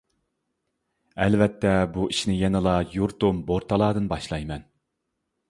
ئەلۋەتتە بۇ ئىشنى يەنىلا يۇرتۇم بورتالادىن باشلايمەن.